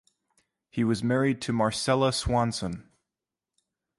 He was married to Marcella Swanson.